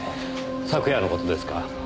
昨夜の事ですか？